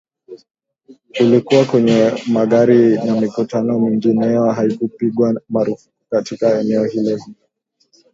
ulikuwa kwenye magari na mikutano mingine haikupigwa marufuku katika eneo hilo hilo